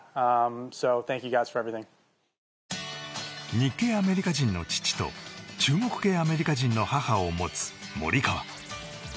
日系アメリカ人の父と中国系アメリカ人の母を持つモリカワ。